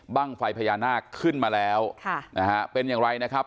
ไฟพญานาคขึ้นมาแล้วค่ะนะฮะเป็นอย่างไรนะครับ